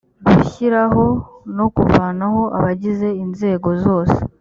gushyiraho no kuvanaho abagize inzego zose